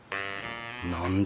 何だ？